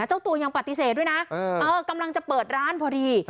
เจ้าตัวยังปฏิเสธด้วยนะกำลังจะเปิดร้านพอดี